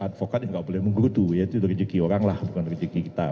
advokat yang tidak boleh menggurutu itu dari rezeki orang lah bukan rezeki kita